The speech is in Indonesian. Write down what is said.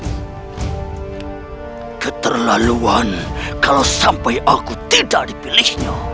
itu keterlaluan kalau sampai aku tidak dipilihnya